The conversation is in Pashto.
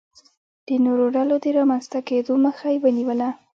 د نورو ډلو د رامنځته کېدو مخه یې ونیوله.